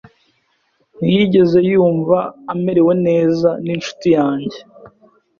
Ntiyigeze yumva amerewe neza n'inshuti yanjye.